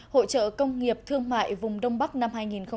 hội trợ công nghiệp thương mại vùng đông bắc năm hai nghìn một mươi sáu